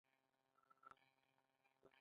که ته دا کار وکړې نو جایزه به واخلې.